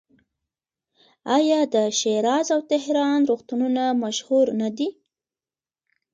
آیا د شیراز او تهران روغتونونه مشهور نه دي؟